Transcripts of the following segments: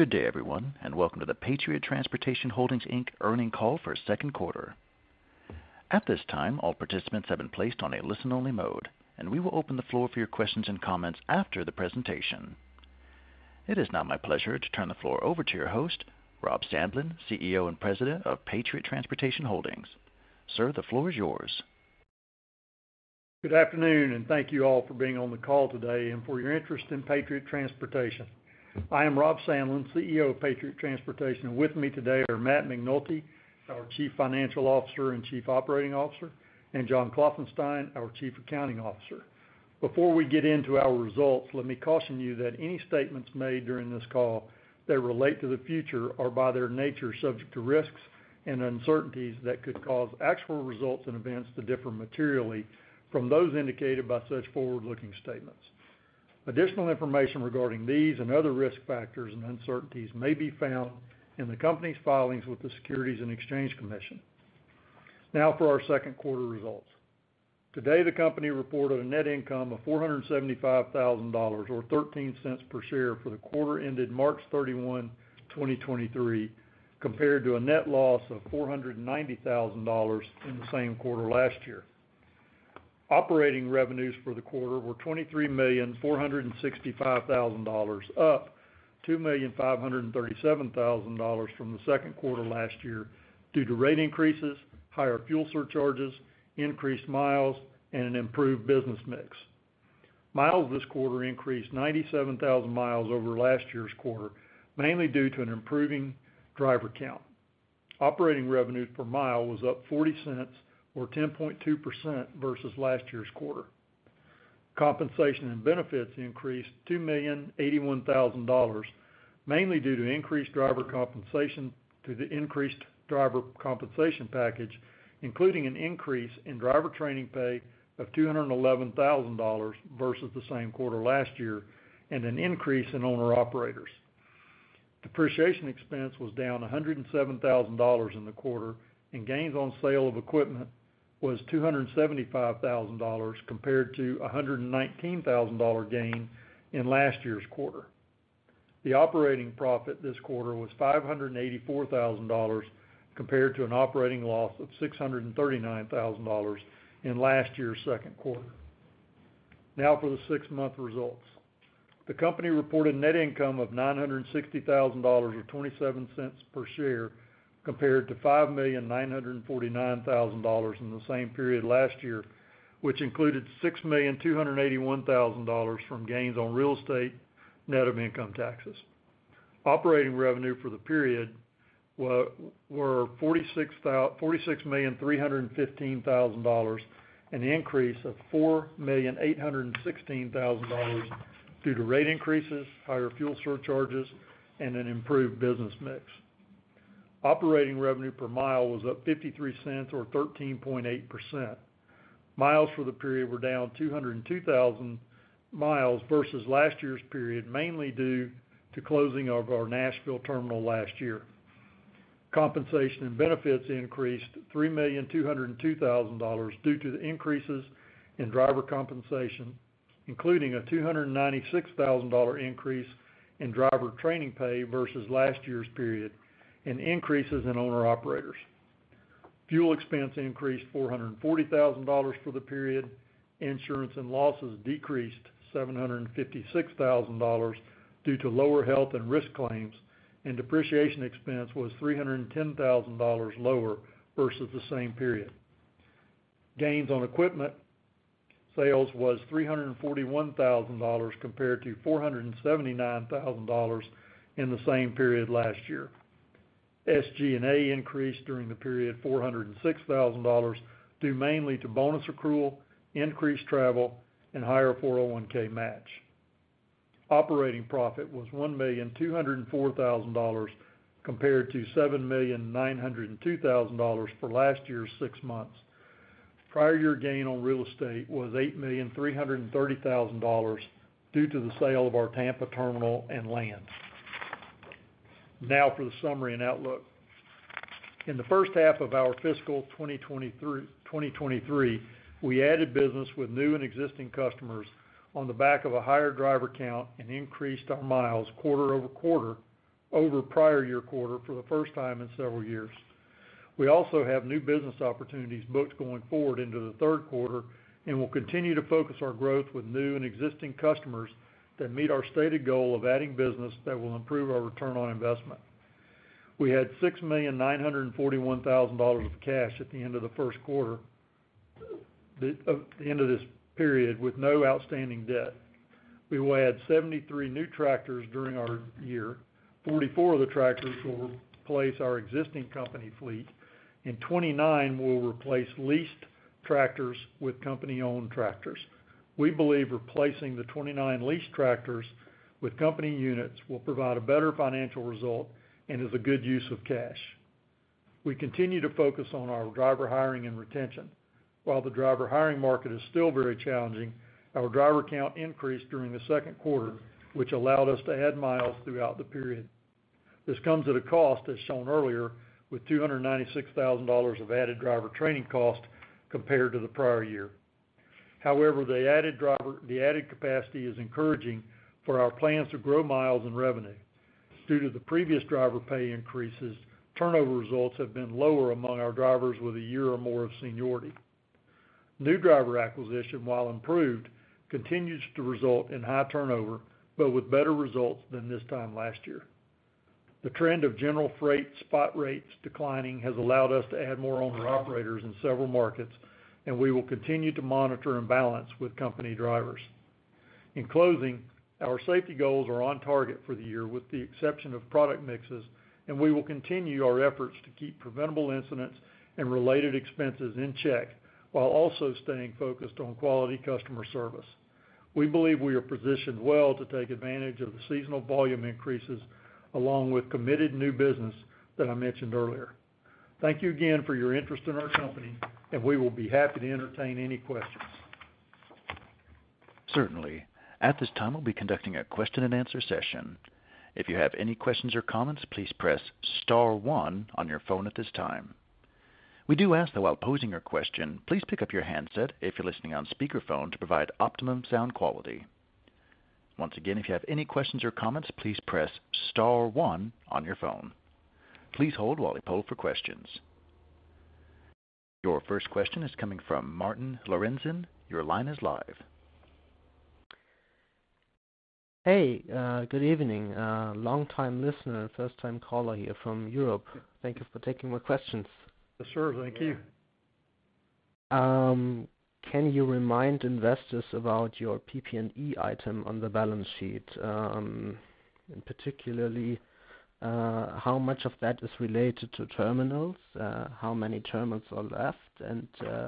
Good day, everyone. Welcome to the Patriot Transportation Holding, Inc. earnings call for second quarter. At this time, all participants have been placed on a listen-only mode, and we will open the floor for your questions and comments after the presentation. It is now my pleasure to turn the floor over to your host, Rob Sandlin, CEO and President of Patriot Transportation Holdings. Sir, the floor is yours. Good afternoon, and thank you all for being on the call today and for your interest in Patriot Transportation. I am Rob Sandlin, CEO of Patriot Transportation. With me today are Matt McNulty, our Chief Financial Officer and Chief Operating Officer, and John Klopfenstein, our Chief Accounting Officer. Before we get into our results, let me caution you that any statements made during this call that relate to the future are by their nature subject to risks and uncertainties that could cause actual results and events to differ materially from those indicated by such forward-looking statements. Additional information regarding these and other risk factors and uncertainties may be found in the company's filings with the Securities and Exchange Commission. Now for our second quarter results. Today, the company reported a net income of $475,000 or $0.13 per share for the quarter ended March 31, 2023, compared to a net loss of $490,000 in the same quarter last year. Operating revenues for the quarter were $23,465,000, up $2,537,000 from the second quarter last year due to rate increases, higher fuel surcharges, increased miles, and an improved business mix. Miles this quarter increased 97,000 miles over last year's quarter, mainly due to an improving driver count. Operating revenues per mile was up $0.40 or 10.2% versus last year's quarter. Compensation and benefits increased $2,081,000, mainly due to increased driver compensation through the increased driver compensation package, including an increase in driver training pay of $211,000 versus the same quarter last year, and an increase in owner operators. Depreciation expense was down $107,000 in the quarter, and gains on sale of equipment was $275,000 compared to a $119,000 gain in last year's quarter. The operating profit this quarter was $584,000 compared to an operating loss of $639,000 in last year's second quarter. Now for the six-month results. The company reported net income of $960,000 or $0.27 per share, compared to $5,949,000 in the same period last year, which included $6,281,000 from gains on real estate, net of income taxes. Operating revenue for the period were $46,315,000, an increase of $4,816,000 due to rate increases, higher fuel surcharges, and an improved product mix. Operating revenue per mile was up $0.53 or 13.8%. Miles for the period were down 202,000 miles versus last year's period, mainly due to closing of our Nashville terminal last year. Compensation and benefits increased $3.202 million due to the increases in driver compensation, including a $296 thousand increase in driver training pay versus last year's period and increases in owner operators. Fuel expense increased $440 thousand for the period. Insurance and losses decreased $756 thousand due to lower health and risk claims, and depreciation expense was $310 thousand lower versus the same period. Gains on equipment sales was $341 thousand compared to $479 thousand in the same period last year. SG&A increased during the period $406 thousand, due mainly to bonus accrual, increased travel, and higher 401(k) match. Operating profit was $1,204,000 compared to $7,902,000 for last year's six months. Prior year gain on real estate was $8,330,000 due to the sale of our Tampa terminal and lands. For the summary and outlook. In the first half of our fiscal 2023, we added business with new and existing customers on the back of a higher driver count and increased our miles quarter-over-quarter, over prior-year quarter for the first time in several years. We also have new business opportunities booked going forward into the third quarter and will continue to focus our growth with new and existing customers that meet our stated goal of adding business that will improve our return on investment. We had $6,941,000 of cash at the end of the first quarter, the end of this period, with no outstanding debt. We will add 73 new tractors during our year. 44 of the tractors will replace our existing company fleet and 29 will replace leased tractors with company-owned tractors. We believe replacing the 29 leased tractors with company units will provide a better financial result and is a good use of cash. We continue to focus on our driver hiring and retention. While the driver hiring market is still very challenging, our driver count increased during the second quarter, which allowed us to add miles throughout the period. This comes at a cost, as shown earlier, with $296,000 of added driver training cost compared to the prior year. The added capacity is encouraging for our plans to grow miles in revenue. Due to the previous driver pay increases, turnover results have been lower among our drivers with a year or more of seniority. New driver acquisition, while improved, continues to result in high turnover, but with better results than this time last year. The trend of general freight spot rates declining has allowed us to add more owner-operators in several markets, and we will continue to monitor and balance with company drivers. In closing, our safety goals are on target for the year with the exception of product mix, and we will continue our efforts to keep preventable incidents and related expenses in check while also staying focused on quality customer service. We believe we are positioned well to take advantage of the seasonal volume increases along with committed new business that I mentioned earlier. Thank you again for your interest in our company, and we will be happy to entertain any questions. Certainly. At this time, we'll be conducting a question-and-answer session. If you have any questions or comments, please press star one on your phone at this time. We do ask that while posing your question, please pick up your handset if you're listening on speakerphone to provide optimum sound quality. Once again, if you have any questions or comments, please press star one on your phone. Please hold while we poll for questions. Your first question is coming from Martin Lorenzen. Your line is live. Hey, good evening. Longtime listener, first-time caller here from Europe. Thank you for taking my questions. Sure. Thank you. Can you remind investors about your PP&E item on the balance sheet, and particularly, how much of that is related to terminals? How many terminals are left, and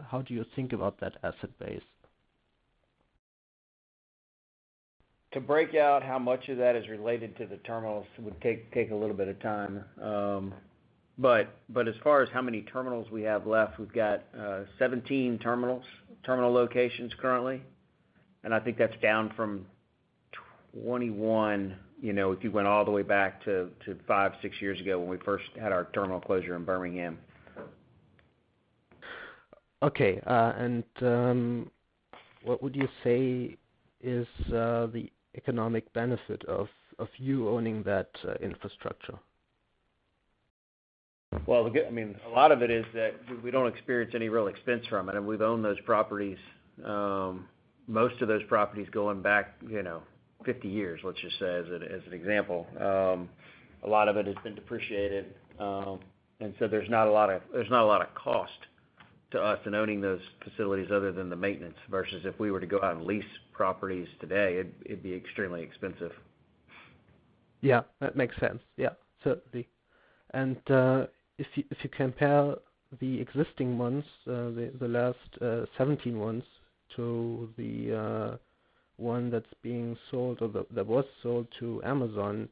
how do you think about that asset base? To break out how much of that is related to the terminals would take a little bit of time. As far as how many terminals we have left, we've got 17 terminals, terminal locations currently. I think that's down from 21, you know, if you went all the way back to five, six years ago when we first had our terminal closure in Birmingham. Okay. What would you say is the economic benefit of you owning that infrastructure? Well, I mean, a lot of it is that we don't experience any real expense from it, and we've owned those properties, most of those properties going back, you know, 50 years, let's just say as a, as an example. A lot of it has been depreciated. There's not a lot of cost to us in owning those facilities other than the maintenance, versus if we were to go out and lease properties today, it'd be extremely expensive. Yeah, that makes sense. Yeah, certainly. If you, if you compare the existing ones, the last, 17 ones to the, one that's being sold or that was sold to Amazon,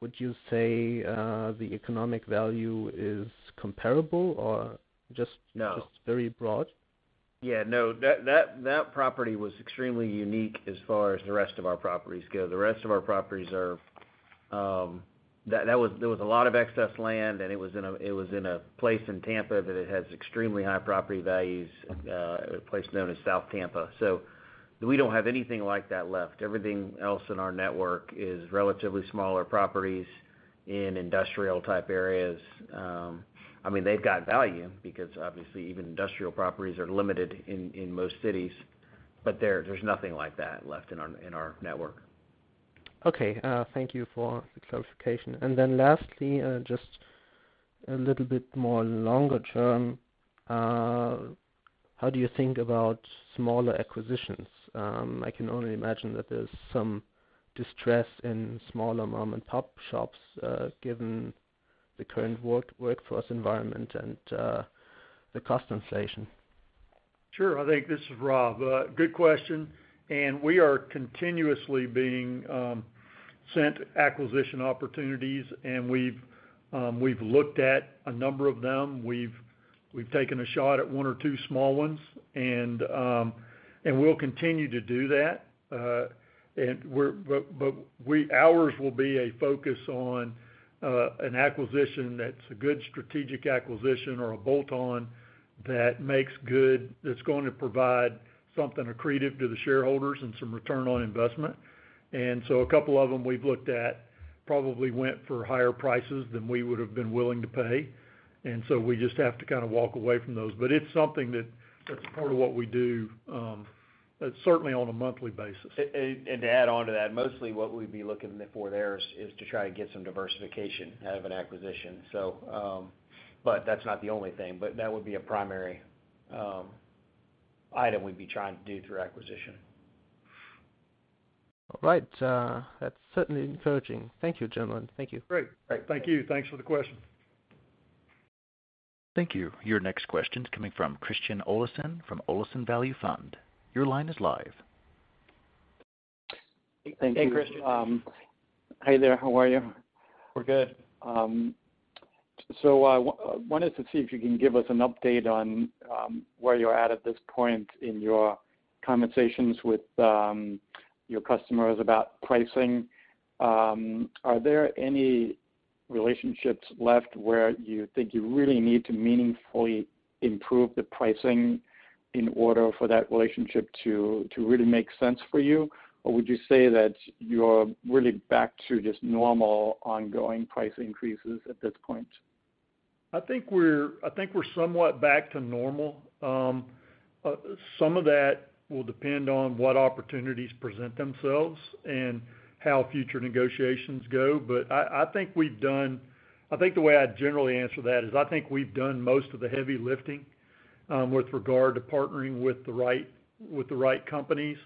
would you say, the economic value is comparable or just- No. Just very broad? Yeah, no. That property was extremely unique as far as the rest of our properties go. The rest of our properties are. There was a lot of excess land, and it was in a place in Tampa that it has extremely high property values, a place known as South Tampa. We don't have anything like that left. Everything else in our network is relatively smaller properties in industrial type areas. I mean, they've got value because obviously even industrial properties are limited in most cities, but there's nothing like that left in our network. Okay. thank you for the clarification. Lastly, just a little bit more longer term, how do you think about smaller acquisitions? I can only imagine that there's some distress in smaller mom-and-pop shops, given the current workforce environment and, the cost inflation. Sure. I think this is Rob. Good question. We are continuously being sent acquisition opportunities, and we've looked at a number of them. We've taken a shot at one or two small ones, and we'll continue to do that. Ours will be a focus on an acquisition that's a good strategic acquisition or a bolt-on that makes good, that's going to provide something accretive to the shareholders and some return on investment. A couple of them we've looked at probably went for higher prices than we would have been willing to pay. We just have to kind of walk away from those. It's something that's part of what we do, certainly on a monthly basis. To add on to that, mostly what we'd be looking for there is to try to get some diversification out of an acquisition. That's not the only thing, but that would be a primary item we'd be trying to do through acquisition. All right. That's certainly encouraging. Thank you, gentlemen. Thank you. Great. Great. Thank you. Thanks for the question. Thank you. Your next question's coming from Christian Olesen from Olesen Value Fund. Your line is live. Thank you. Hey, Chris. Hi there. How are you? We're good. Wanted to see if you can give us an update on where you're at at this point in your conversations with your customers about pricing. Are there any Relationships left where you think you really need to meaningfully improve the pricing in order for that relationship to really make sense for you? Would you say that you're really back to just normal ongoing price increases at this point? I think we're somewhat back to normal. Some of that will depend on what opportunities present themselves and how future negotiations go. I think the way I'd generally answer that is I think we've done most of the heavy lifting, with regard to partnering with the right, with the right companies,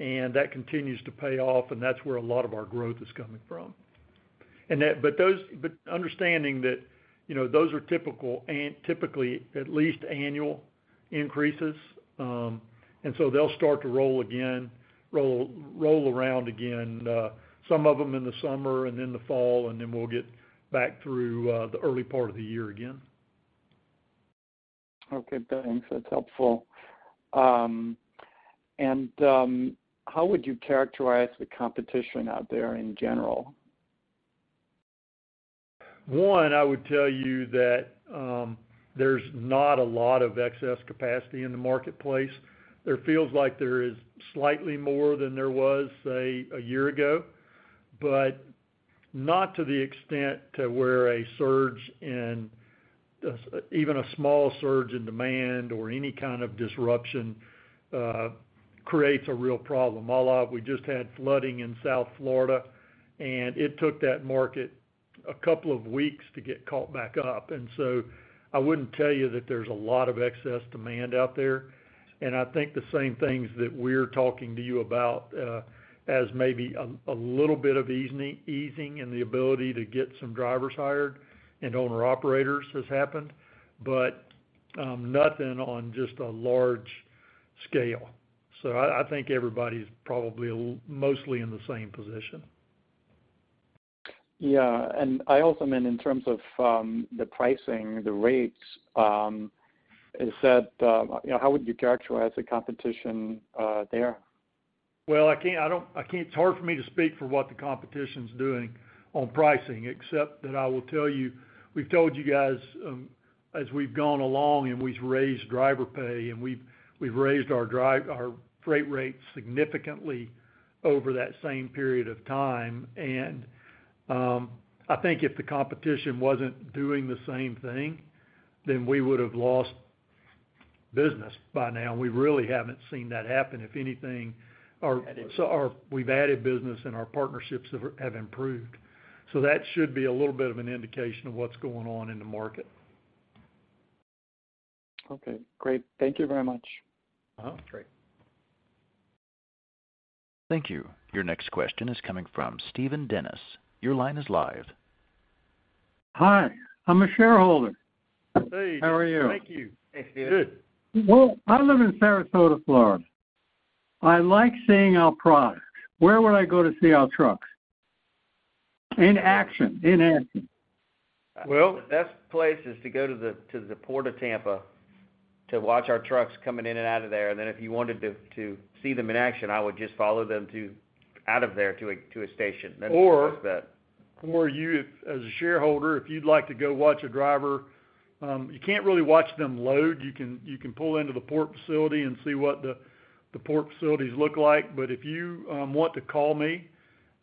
and that continues to pay off, and that's where a lot of our growth is coming from. understanding that, you know, those are typical and typically at least annual increases. They'll start to roll around again, some of them in the summer and in the fall, we'll get back through the early part of the year again. Okay, thanks. That's helpful. How would you characterize the competition out there in general? One, I would tell you that there's not a lot of excess capacity in the marketplace. There feels like there is slightly more than there was, say, a year ago, but not to the extent to where a surge and even a small surge in demand or any kind of disruption, creates a real problem. Although we just had flooding in South Florida, and it took that market a couple of weeks to get caught back up. I wouldn't tell you that there's a lot of excess demand out there. I think the same things that we're talking to you about, as maybe a little bit of easing in the ability to get some drivers hired and owner-operators has happened, but nothing on just a large scale. I think everybody's probably mostly in the same position. Yeah. I also meant in terms of, the pricing, the rates, is that, you know, how would you characterize the competition, there? Well, it's hard for me to speak for what the competition's doing on pricing, except that I will tell you, we've told you guys, as we've gone along and we've raised driver pay, and we've raised our freight rates significantly over that same period of time. I think if the competition wasn't doing the same thing, then we would have lost business by now. We really haven't seen that happen. If anything. Added. We've added business and our partnerships have improved. That should be a little bit of an indication of what's going on in the market. Okay, great. Thank you very much. Uh-huh. Great. Thank you. Your next question is coming from Steven Dennis. Your line is live. Hi. I'm a shareholder. Hey. How are you? Thank you. Hey, Steven. Good. I live in Sarasota, Florida. I like seeing our products. Where would I go to see our trucks? In action, in action. Well- The best place is to go to the Port of Tampa to watch our trucks coming in and out of there. If you wanted to see them in action, I would just follow them out of there to a station. That's just that. You as a shareholder, if you'd like to go watch a driver, you can't really watch them load. You can pull into the port facility and see what the port facilities look like. If you want to call me,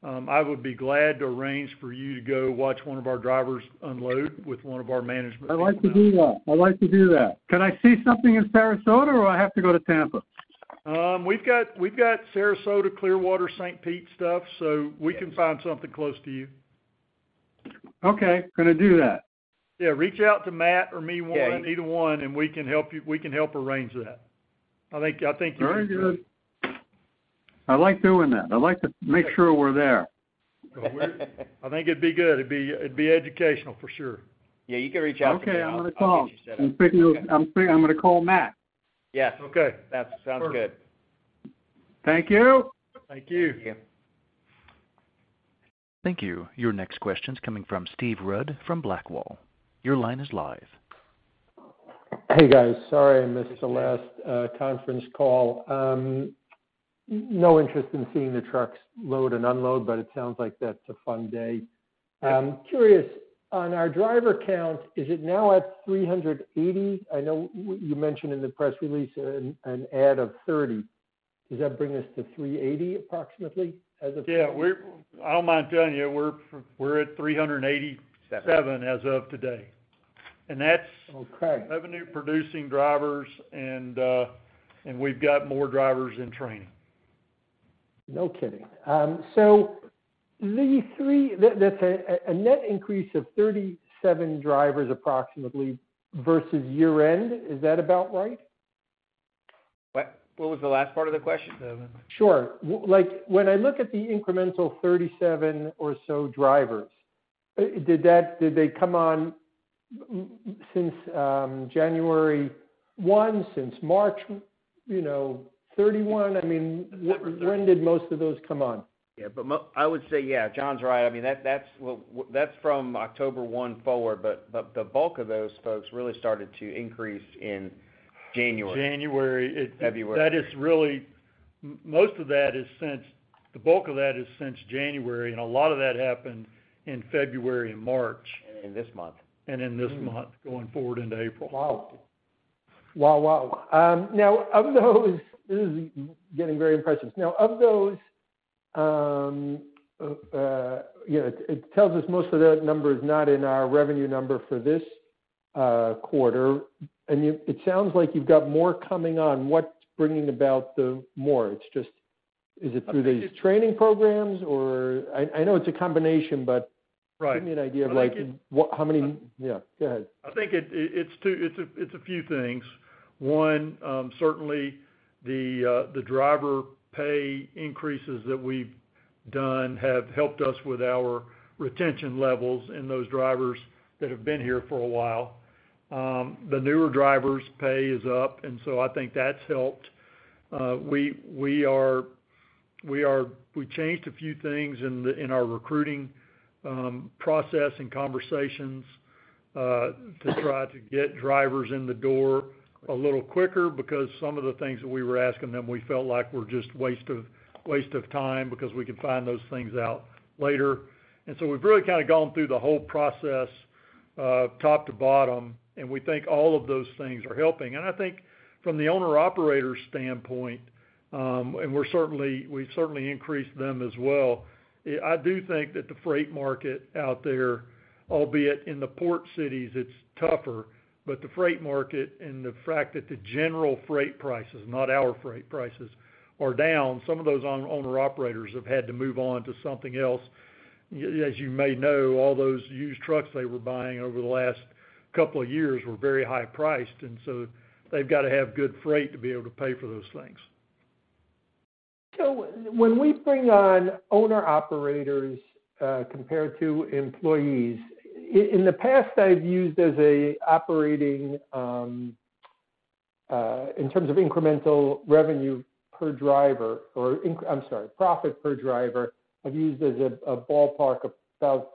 I would be glad to arrange for you to go watch one of our drivers unload with one of our management. I'd like to do that. Can I see something in Sarasota, or I have to go to Tampa? We've got Sarasota, Clearwater, St. Pete stuff, so we can find something close to you. Okay. Gonna do that. Yeah, reach out to Matt or me. Okay... either one, and we can help arrange that. I think you can do that. Very good. I like doing that. I like to make sure we're there. I think it'd be good. It'd be educational for sure. Yeah, you can reach out to me. I'll get you set up. Okay. I'm gonna call Matt. Yes. Okay. That sounds good. Perfect. Thank you. Thank you. Thank you. Thank you. Your next question's coming from Steve Rudd from Blackwall. Your line is live. Hey, guys. Sorry, I missed the last conference call. No interest in seeing the trucks load and unload, but it sounds like that's a fun day. I'm curious, on our driver count, is it now at 380? I know you mentioned in the press release an add of 30. Does that bring us to 380 approximately as of today? Yeah, I don't mind telling you, we're at 387 as of today. Okay. That's revenue producing drivers and we've got more drivers in training. No kidding. That's a net increase of 37 drivers approximately versus year-end. Is that about right? What was the last part of the question, Steven? Sure. like, when I look at the incremental 37 or so drivers, did they come on since January one? Since March, you know, 31? I mean, when did most of those come on? Yeah. I would say, yeah, John's right. I mean, that's from October 1 forward, but the bulk of those folks really started to increase in January. January. February that is most of that is since the bulk of that is since January, and a lot of that happened in February and March. In this month. In this month, going forward into April. Wow. Wow. Wow. Now of those, this is getting very impressive. Now, of those, you know, it tells us most of that number is not in our revenue number for this quarter. It sounds like you've got more coming on. What's bringing about the more? Is it through these training programs, or... I know it's a combination, but... Right. Give me an idea of, like, what, how many... Yeah, go ahead. I think it's two... it's a few things. 1, certainly the driver pay increases that we've done have helped us with our retention levels and those drivers that have been here for a while. The newer drivers' pay is up, I think that's helped. We changed a few things in our recruiting process and conversations to try to get drivers in the door a little quicker because some of the things that we were asking them, we felt like were just waste of time because we could find those things out later. We've really kind of gone through the whole process top to bottom, and we think all of those things are helping. I think from the owner-operator standpoint, we're certainly, we've certainly increased them as well. I do think that the freight market out there, albeit in the port cities, it's tougher. The freight market and the fact that the general freight prices, not our freight prices, are down, some of those owner-operators have had to move on to something else. You may know, all those used trucks they were buying over the last couple of years were very high priced, and so they've got to have good freight to be able to pay for those things. When we bring on owner-operators, compared to employees, in the past, I've used as a operating, in terms of incremental revenue per driver or I'm sorry, profit per driver, I've used as a ballpark of about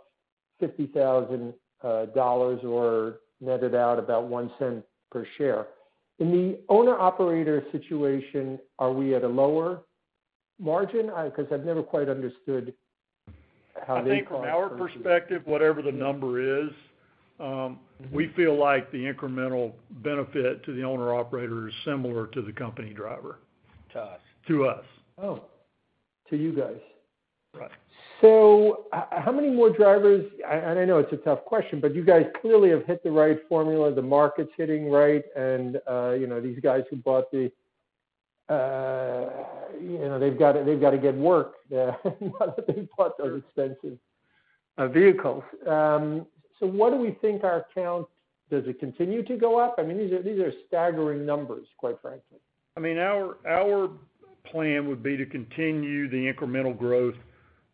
$50,000 or netted out about $0.01 per share. In the owner-operator situation, are we at a lower margin? Because I've never quite understood how they. I think from our perspective, whatever the number is, we feel like the incremental benefit to the owner-operator is similar to the company driver. To us. To us. Oh, to you guys. Right. How many more drivers? I know it's a tough question, but you guys clearly have hit the right formula, the market's hitting right, and, you know, these guys who bought the, you know, they've got to get work now that they bought those expensive vehicles. What do we think our count? Does it continue to go up? I mean, these are staggering numbers, quite frankly. I mean, our plan would be to continue the incremental growth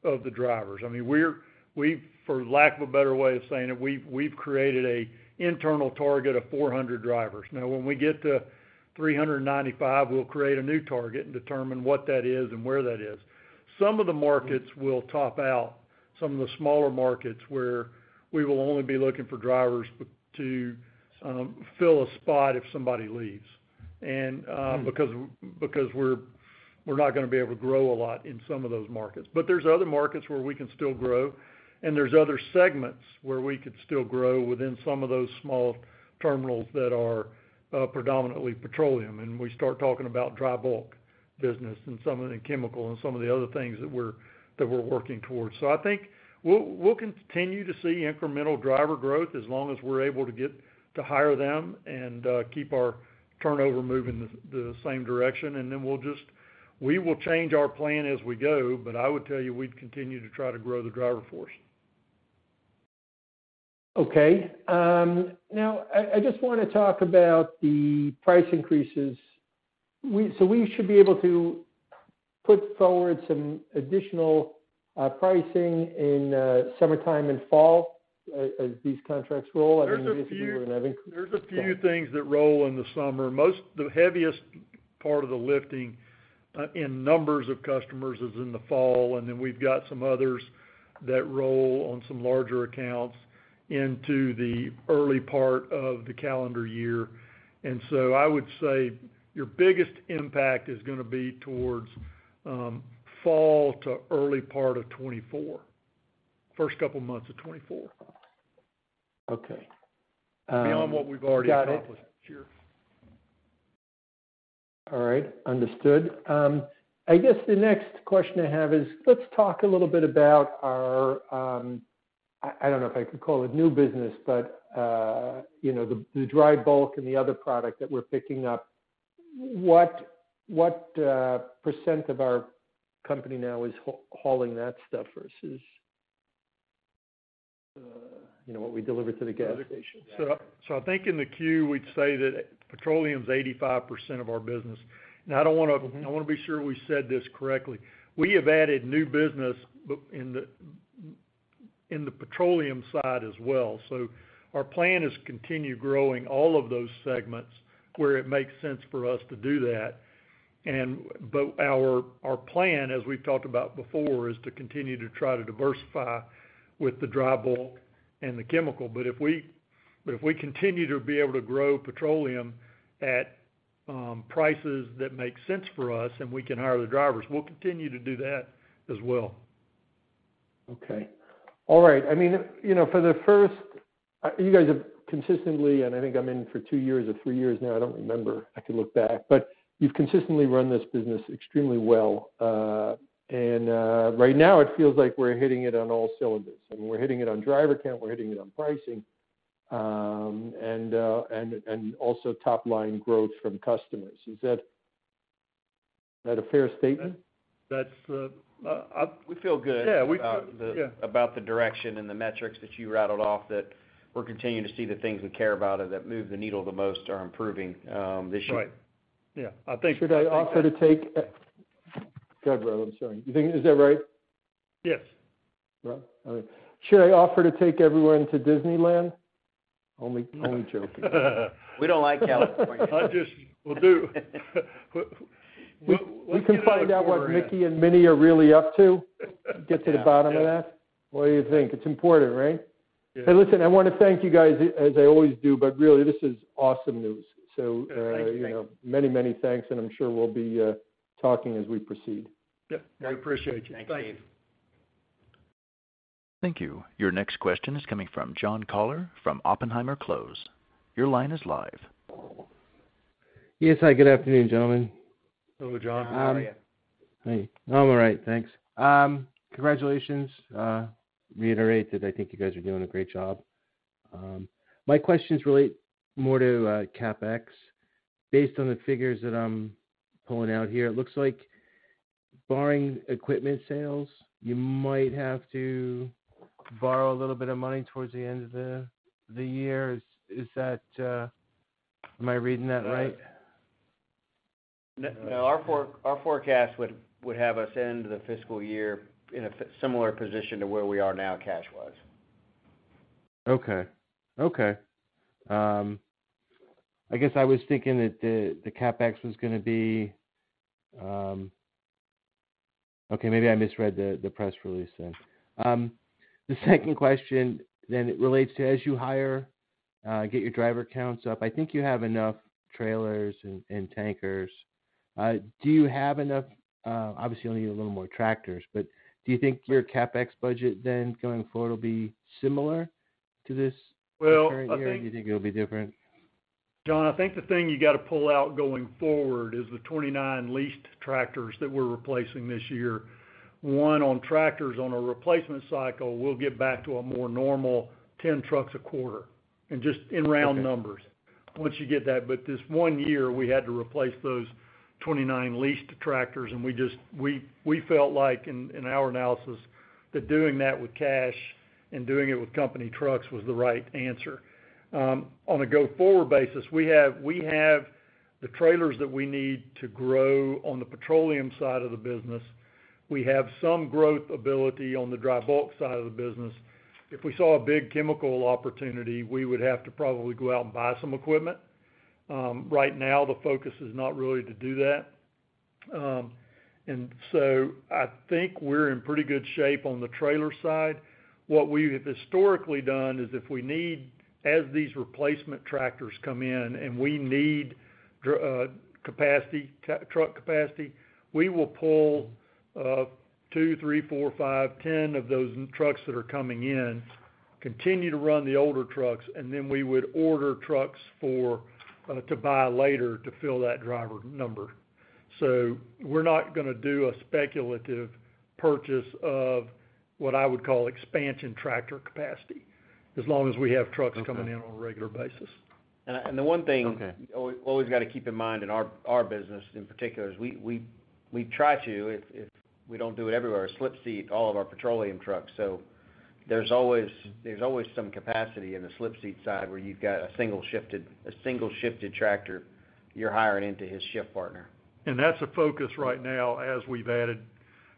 of the drivers. I mean, we've, for lack of a better way of saying it, we've created a internal target of 400 drivers. Now, when we get to 395, we'll create a new target and determine what that is and where that is. Some of the markets will top out. Some of the smaller markets where we will only be looking for drivers to fill a spot if somebody leaves. Hmm because we're not gonna be able to grow a lot in some of those markets. There's other markets where we can still grow, and there's other segments where we could still grow within some of those small terminals that are predominantly petroleum, and we start talking about dry bulk business and some of the chemical and some of the other things that we're working towards. I think we'll continue to see incremental driver growth as long as we're able to get to hire them and keep our turnover moving the same direction. We will change our plan as we go, but I would tell you we'd continue to try to grow the driver force. Okay. now I just wanna talk about the price increases. We should be able to put forward some additional pricing in summertime and fall as these contracts roll, I mean. There's a few- Yeah. There's a few things that roll in the summer. The heaviest part of the lifting in numbers of customers is in the fall. We've got some others that roll on some larger accounts into the early part of the calendar year. I would say your biggest impact is gonna be towards fall to early part of 2024, first couple months of 2024. Okay. Beyond what we've already accomplished this year. All right. Understood. I guess the next question I have is, let's talk a little bit about our, I don't know if I could call it new business, but, you know, the dry bulk and the other product that we're picking up. What, what, % of our company now is hauling that stuff versus, you know, what we deliver to the gas station? I think in the queue, we'd say that petroleum is 85% of our business. I wanna be sure we said this correctly. We have added new business in the petroleum side as well. Our plan is to continue growing all of those segments where it makes sense for us to do that. Our plan, as we've talked about before, is to continue to try to diversify with the dry bulk and the chemical. If we continue to be able to grow petroleum at prices that make sense for us and we can hire the drivers, we'll continue to do that as well. Okay. All right. I mean, you know, You guys have consistently, and I think I'm in for two years or three years now, I don't remember. I can look back, but you've consistently run this business extremely well, and right now it feels like we're hitting it on all cylinders, and we're hitting it on driver count, we're hitting it on pricing, and also top-line growth from customers. Is that a fair statement? That's. We feel good. Yeah. about the direction and the metrics that you rattled off, that we're continuing to see the things we care about or that move the needle the most are improving this year. Right. Yeah. Go ahead, Rob, I'm sorry. Is that right? Yes. Right. All right. Should I offer to take everyone to Disneyland? Only joking. We don't like California. We'll figure it out, yeah. We can find out what Mickey and Minnie are really up to. Get to the bottom of that. What do you think? It's important, right? Yeah. Hey, listen, I wanna thank you guys as I always do, but really this is awesome news. Thanks. You know, many, many thanks, and I'm sure we'll be talking as we proceed. Yep. I appreciate you. Thanks. Bye. Thank you. Your next question is coming from John Koller from Oppenheimer Close. Your line is live. Yes. Hi, good afternoon, gentlemen. Hello, John. How are you? Hey. I'm all right, thanks. Congratulations. Reiterate that I think you guys are doing a great job. My questions relate more to CapEx. Based on the figures that I'm pulling out here, it looks like barring equipment sales, you might have to borrow a little bit of money towards the end of the year. Am I reading that right? No. Our forecast would have us end the fiscal year in a similar position to where we are now cash-wise. Okay. I guess I was thinking that the CapEx was gonna be. Okay, maybe I misread the press release then. The second question then it relates to, as you hire, get your driver counts up, I think you have enough trailers and tankers. Do you have enough? Obviously, you'll need a little more tractors, do you think your CapEx budget then going forward will be similar to this current year? Well, I think- Do you think it'll be different? John, I think the thing you gotta pull out going forward is the 29 leased tractors that we're replacing this year. One, on tractors on a replacement cycle, we'll get back to a more normal 10 trucks a quarter, and just in round numbers. Okay. Once you get that. This one year, we had to replace those 29 leased tractors, and we felt like in our analysis, that doing that with cash and doing it with company trucks was the right answer. On a go-forward basis, we have the trailers that we need to grow on the petroleum side of the business. We have some growth ability on the dry bulk side of the business. If we saw a big chemical opportunity, we would have to probably go out and buy some equipment. Right now, the focus is not really to do that. I think we're in pretty good shape on the trailer side. What we have historically done is if we need, as these replacement tractors come in and we need capacity, truck capacity, we will pull two, three, four, five, 10 of those trucks that are coming in, continue to run the older trucks, and then we would order trucks for to buy later to fill that driver number. We're not gonna do a speculative purchase of what I would call expansion tractor capacity, as long as we have trucks coming in on a regular basis. Okay. The one thing- Okay you always gotta keep in mind in our business in particular is we try to, if we don't do it everywhere, slip seat all of our petroleum trucks. There's always some capacity in the slip seat side where you've got a single shifted tractor you're hiring into his shift partner. That's a focus right now as we've added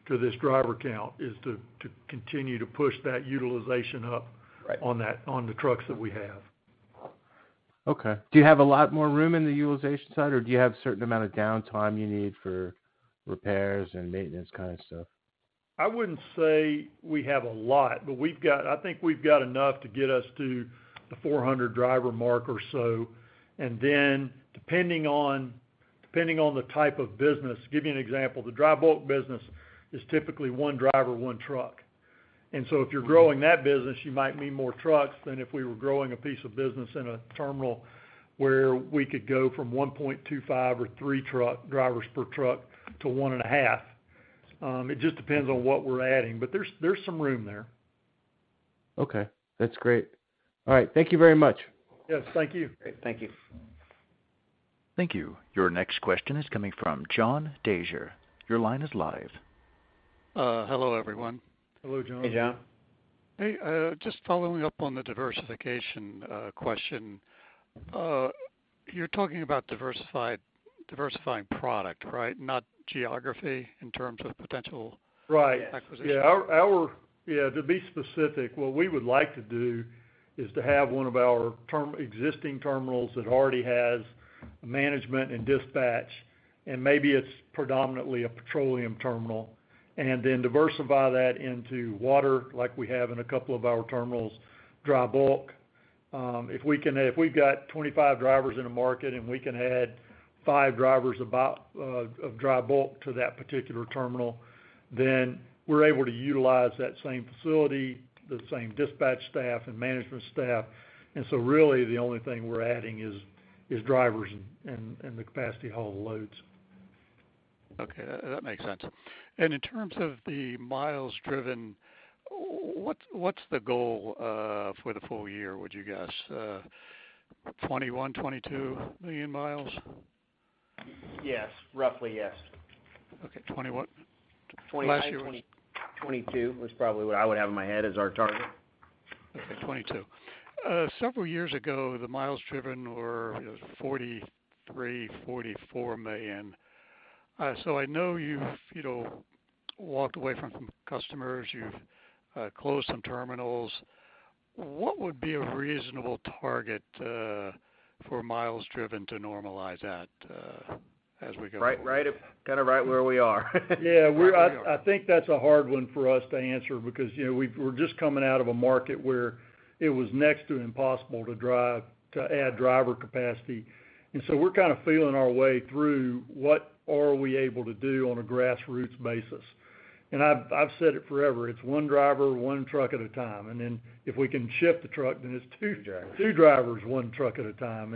to this driver count, is to continue to push that utilization up. Right... on that, on the trucks that we have. Do you have a lot more room in the utilization side, or do you have certain amount of downtime you need for repairs and maintenance kind of stuff? I wouldn't say we have a lot, but we've got... I think we've got enough to get us to the 400 driver mark or so. Depending on the type of business, give you an example, the dry bulk business is typically one driver, one truck. If you're growing that business, you might need more trucks than if we were growing a piece of business in a terminal where we could go from 1.25 or three drivers per truck to 1.5. It just depends on what we're adding, but there's some room there. Okay. That's great. All right. Thank you very much. Yes, thank you. Great. Thank you. Thank you. Your next question is coming from John DeJager. Your line is live. Hello, everyone. Hello, John. Hey, John. Hey. Just following up on the diversification question. You're talking about diversifying product, right? Not geography in terms of potential- Right. -acquisitions. Our, to be specific, what we would like to do is to have one of our existing terminals that already has management and dispatch, and maybe it's predominantly a petroleum terminal. Then diversify that into water like we have in a couple of our terminals, dry bulk. If we've got 25 drivers in a market, and we can add five drivers about of dry bulk to that particular terminal, then we're able to utilize that same facility, the same dispatch staff and management staff. Really the only thing we're adding is drivers and the capacity to haul the loads. Okay. That makes sense. In terms of the miles driven, what's the goal for the full year, would you guess, 21, 22 million miles? Yes. Roughly, yes. Okay. 20-what? 28, twenty- Last year was- 2022 was probably what I would have in my head as our target. Okay, 22. Several years ago, the miles driven were, you know, 43, 44 million. I know you've, you know, walked away from customers. You've closed some terminals. What would be a reasonable target for miles driven to normalize at as we go forward? Right kinda right where we are. Yeah. I think that's a hard one for us to answer because, you know, we're just coming out of a market where it was next to impossible to add driver capacity. We're kind of feeling our way through what are we able to do on a grassroots basis. I've said it forever, it's one driver, one truck at a time. If we can ship the truck, then it's two- Two drivers.... two drivers, one truck at a time.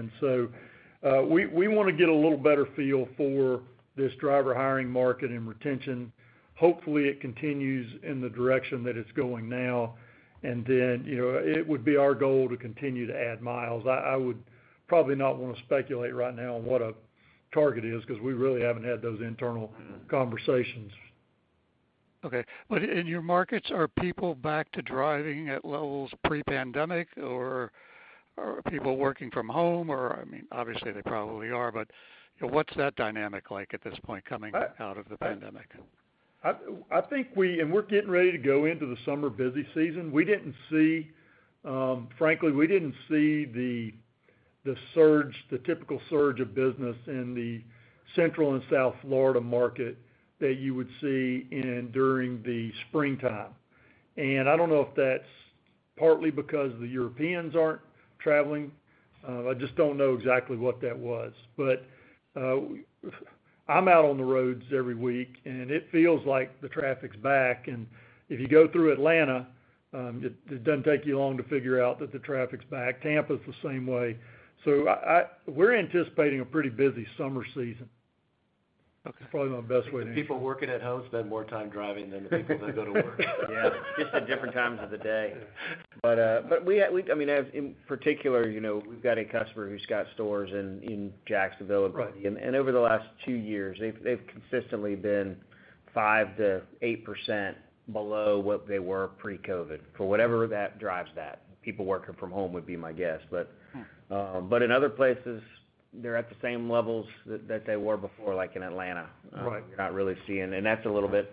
We wanna get a little better feel for this driver hiring market and retention. Hopefully, it continues in the direction that it's going now. You know, it would be our goal to continue to add miles. I would probably not wanna speculate right now on what a target is because we really haven't had those internal conversations. Okay. In your markets, are people back to driving at levels pre-pandemic, or are people working from home? I mean, obviously they probably are, but, you know, what's that dynamic like at this point coming out of the pandemic? I think we're getting ready to go into the summer busy season. We didn't see, frankly, we didn't see the surge, the typical surge of business in the Central and South Florida market that you would see in during the springtime. I don't know if that's partly because the Europeans aren't traveling. I just don't know exactly what that was. I'm out on the roads every week, and it feels like the traffic's back. If you go through Atlanta, it doesn't take you long to figure out that the traffic's back. Tampa's the same way. We're anticipating a pretty busy summer season. Okay. That's probably my best way to-. The people working at home spend more time driving than the people that go to work. Yeah. It's just at different times of the day. Yeah. I mean, as in particular, you know, we've got a customer who's got stores in Jacksonville. Right. Over the last two years, they've consistently been 5%-8% below what they were pre-COVID, for whatever that drives that. People working from home would be my guess. Hmm. In other places, they're at the same levels that they were before, like in Atlanta. Right. We're not really seeing... That's a little bit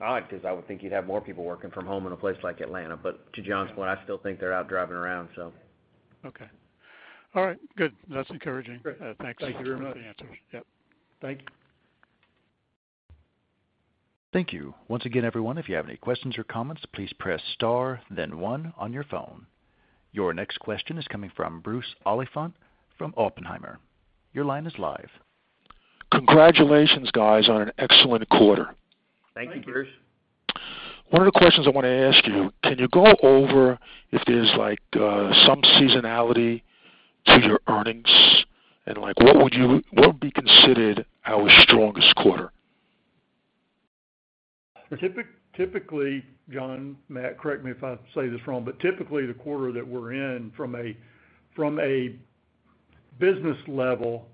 odd because I would think you'd have more people working from home in a place like Atlanta. To [jonslash], I still think they're out driving around. Okay. All right. Good. That's encouraging. Great. Thanks so much for the answers. Thank you very much. Yep. Thank you. Thank you. Once again, everyone, if you have any questions or comments, please press star then one on your phone. Your next question is coming from Bruce Orlicke from Oppenheimer. Your line is live. Congratulations guys, on an excellent quarter. Thank you, Bruce. Thank you. One of the questions I wanna ask you, can you go over if there's like, some seasonality to your earnings? Like what would be considered our strongest quarter? Typically, John, Matt, correct me if I say this wrong, typically, the quarter that we're in from a, from a business level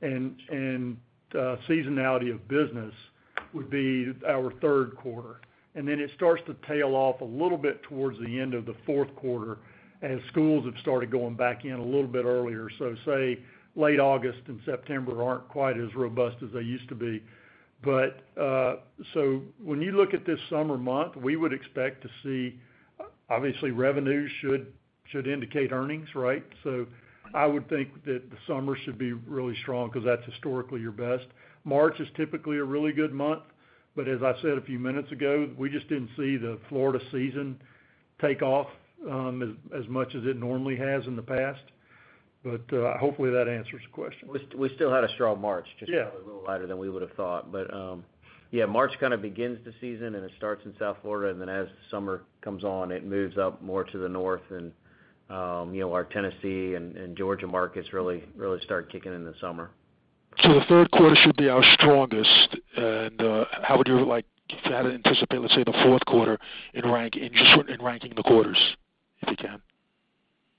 and seasonality of business would be our third quarter, and then it starts to tail off a little bit towards the end of the fourth quarter as schools have started going back in a little bit earlier. Say late August and September aren't quite as robust as they used to be. When you look at this summer month, we would expect to see... Obviously, revenues should indicate earnings, right? I would think that the summer should be really strong because that's historically your best. March is typically a really good month, as I said a few minutes ago, we just didn't see the Florida season take off as much as it normally has in the past. Hopefully, that answers the question. We still had a strong March. Yeah. Just probably a little lighter than we would've thought. Yeah, March kinda begins the season, and it starts in South Florida, and then as the summer comes on, it moves up more to the north and, you know, our Tennessee and Georgia markets really start kicking in the summer. The third quarter should be our strongest. How would you like to have it anticipate, let's say, the fourth quarter in short, in ranking the quarters, if you can?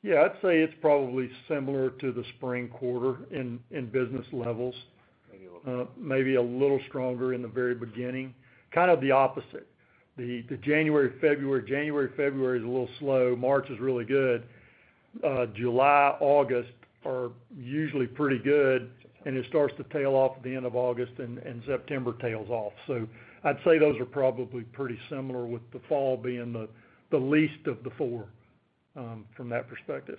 Yeah. I'd say it's probably similar to the spring quarter in business levels. Maybe a little- Maybe a little stronger in the very beginning. Kind of the opposite. The January, February. January, February is a little slow. March is really good. July, August are usually pretty good, and it starts to tail off at the end of August, and September tails off. I'd say those are probably pretty similar with the fall being the least of the four from that perspective.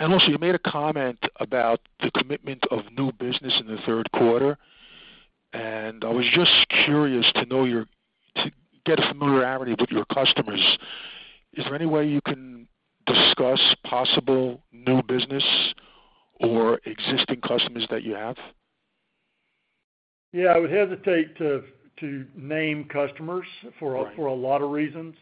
You made a comment about the commitment of new business in the third quarter, and I was just curious to know to get a familiarity with your customers. Is there any way you can discuss possible new business or existing customers that you have? Yeah, I would hesitate to name customers for a lot of reasons.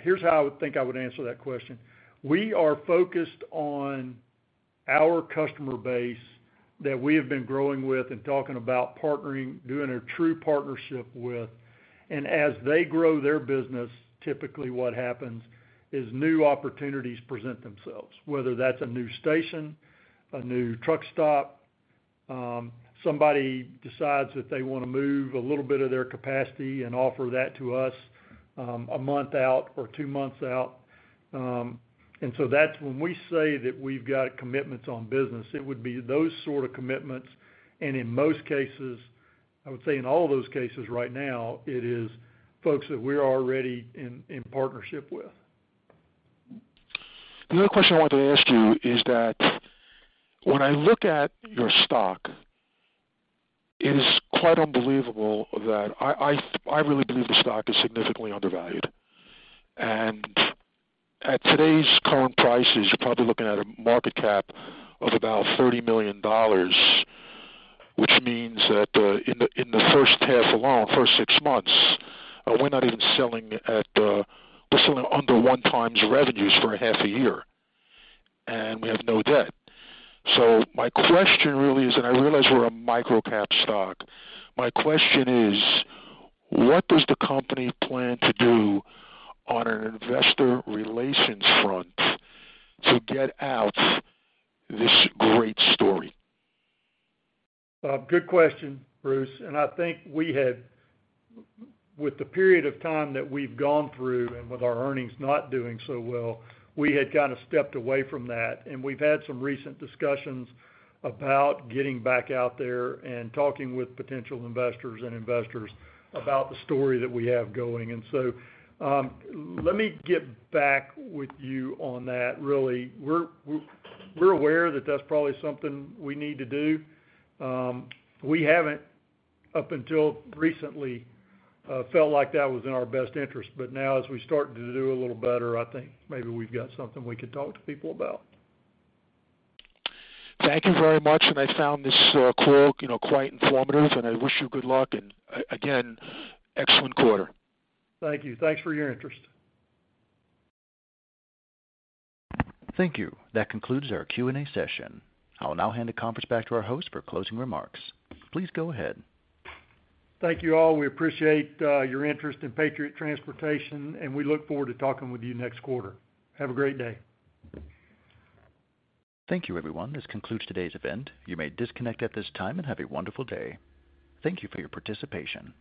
Here's how I would think I would answer that question. We are focused on our customer base that we have been growing with and talking about partnering, doing a true partnership with. As they grow their business, typically what happens is new opportunities present themselves, whether that's a new station, a new truck stop, somebody decides that they want to move a little bit of their capacity and offer that to us, a month out or two months out. That's when we say that we've got commitments on business, it would be those sort of commitments. In most cases, I would say in all those cases right now, it is folks that we're already in partnership with. The other question I wanted to ask you is that when I look at your stock, it is quite unbelievable that I really believe the stock is significantly undervalued. At today's current prices, you're probably looking at a market cap of about $30 million, which means that in the first half alone, first six months, we're selling under 1 times revenues for a half a year, and we have no debt. My question really is, and I realize we're a micro-cap stock. My question is: What does the company plan to do on an investor relations front to get out this great story? Good question, Bruce. I think we had with the period of time that we've gone through and with our earnings not doing so well, we had kinda stepped away from that. We've had some recent discussions about getting back out there and talking with potential investors and investors about the story that we have going. Let me get back with you on that, really. We're aware that that's probably something we need to do. We haven't up until recently felt like that was in our best interest, but now as we start to do a little better, I think maybe we've got something we could talk to people about. Thank you very much, and I found this call, you know, quite informative, and I wish you good luck. Again, excellent quarter. Thank you. Thanks for your interest. Thank you. That concludes our Q&A session. I'll now hand the conference back to our host for closing remarks. Please go ahead. Thank you all. We appreciate your interest in Patriot Transportation. We look forward to talking with you next quarter. Have a great day. Thank you, everyone. This concludes today's event. You may disconnect at this time and have a wonderful day. Thank you for your participation.